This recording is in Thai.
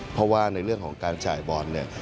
เพราะว่าในเรื่องของการจ่ายบอลเนี่ย